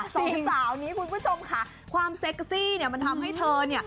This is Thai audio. สองสาวนี้คุณผู้ชมค่ะความเซ็กซี่เนี่ยมันทำให้เธอเนี่ย